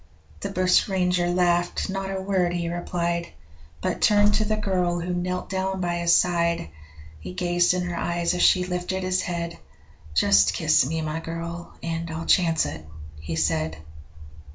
The bushranger laughed not a word he replied, But turned to the girl who knelt down by his side. He gazed in her eyes as she lifted his head: 'Just kiss me my girl and I'll chance it,' he said.